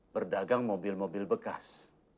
berdagang mobil mobil bekas